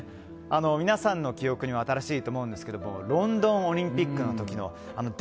皆さんの記憶にも新しいと思うんですけれどもロンドンオリンピックの時の「００７」